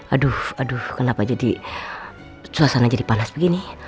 aduh aduh kenapa jadi suasana jadi panas begini